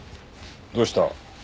どうした？